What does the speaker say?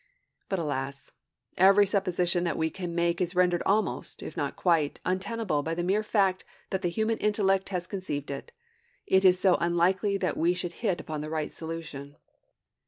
But alas, every supposition that we can make is rendered almost, if not quite, untenable by the mere fact that the human intellect has conceived it it is so unlikely that we should hit upon the right solution!